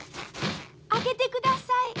「開けてください」